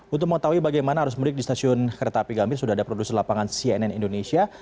untuk mengetahui bagaimana arus mudik di stasiun kereta api gambir sudah ada produser lapangan cnn indonesia